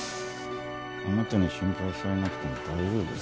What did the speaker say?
あなたに心配されなくても大丈夫です